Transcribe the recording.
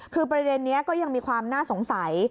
คือประเด็นนี้ก็ยังมีความน่าสงสัย